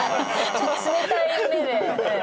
ちょっと冷たい目でね。